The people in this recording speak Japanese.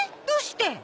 どうして？